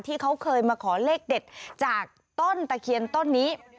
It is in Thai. ที่เขาเคยมาขอเลขเด็ดจากต้นตะเคียนต้นนี้